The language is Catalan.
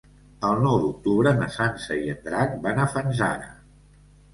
El nou d'octubre na Sança i en Drac van a Fanzara.